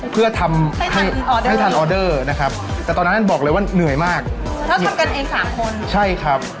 เพื่อทำให้ให้ทันออเดอร์นะครับแต่ตอนนั้นบอกเลยว่าเหนื่อยมากเขาทำกันเองสามคนใช่ครับ